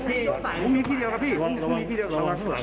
พี่มีที่เดียวระวังข้างหลัง